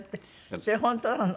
それは本当なの？